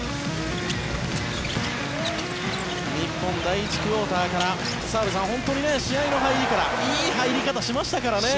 日本、第１クオーターから澤部さん、試合の入りからいい入り方しましたからね。